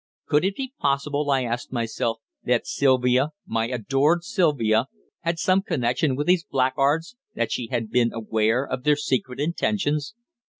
Could it be possible, I asked myself, that Sylvia my adored Sylvia had some connection with these blackguards that she had been aware of their secret intentions?